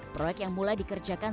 proyek yang mulai dikerjakan